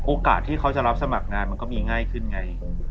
โอกาสที่เขาจะรับสมัครงานมันก็มีง่ายขึ้นไง